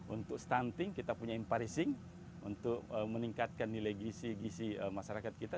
untuk stunting kita punya imparising untuk meningkatkan nilai gisi gisi masyarakat kita